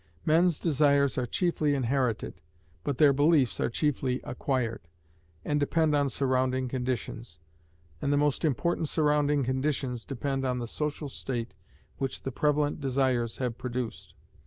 Men's desires are chiefly inherited; but their beliefs are chiefly acquired, and depend on surrounding conditions; and the most important surrounding conditions depend on the social state which the prevalent desires have produced.